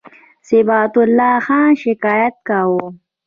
صبغت الله خان شکایت کاوه.